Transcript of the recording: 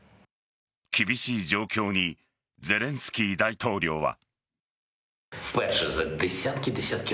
厳しい状況にゼレンスキー大統領は。